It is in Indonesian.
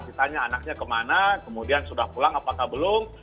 ditanya anaknya kemana kemudian sudah pulang apakah belum